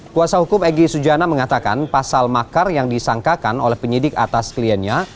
kuasa hukum egy sujana mengatakan pasal makar yang disangkakan oleh penyidik atas kliennya